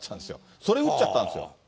それ打っちゃったんですよ。